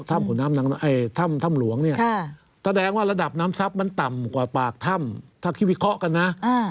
ถ้าคิดวิเคราะห์กันนะ